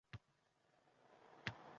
Endi Covid- deb atasak ham bo'lar-a?..